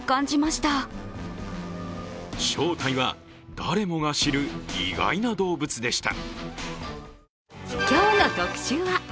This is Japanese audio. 正体は誰もが知る意外な動物でした。